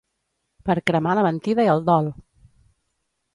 Per cremar la mentida i el dol!